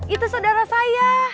itu saudara saya